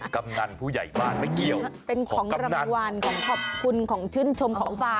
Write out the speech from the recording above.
กำนันผู้ใหญ่บ้านมันเป็นของละมะวานของขอบคุณของชิสาชมของฟ้า